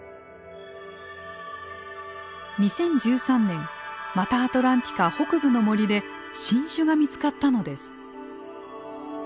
２０１３年マタアトランティカ北部の森で新種が見つかったのです。